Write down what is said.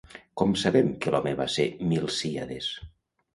Com sabem que l'home va ser Milcíades?